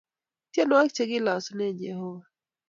tienwogik che kilosune jehova